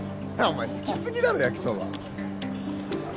お前好きすぎだろ焼きそば。